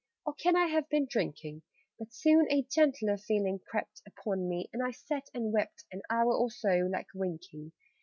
Or can I have been drinking?" But soon a gentler feeling crept Upon me, and I sat and wept An hour or so, like winking.